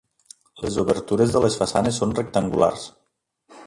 Les obertures de les façanes són rectangulars.